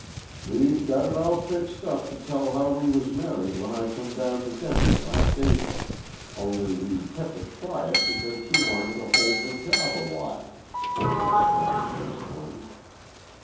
"We've got it all fixed up to tell how we was married when I come down to Denver last April only we kep' it quiet because she wanted to hold her job awhile," Cole explained to his friend.